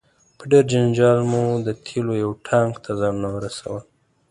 په ډیر جنجال مو د تیلو یو ټانک ته ځانونه ورسول.